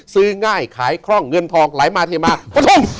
ซื้อง่ายขายคร่องเงินทองหลายมาทีมาประทุ่ม